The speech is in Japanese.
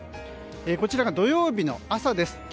こちらが土曜日の朝です。